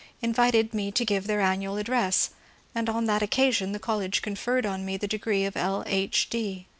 invited me to give their annual address, and on that occasion the collie conferred on me the degree of L. H.